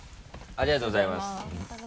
ありがとうございます。